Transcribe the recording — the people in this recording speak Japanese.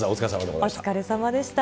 お疲れさまでした。